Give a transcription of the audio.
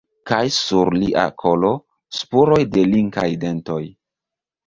Kaj sur lia kolo – spuroj de linkaj dentoj.